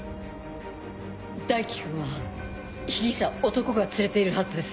大樹君は被疑者男が連れているはずです。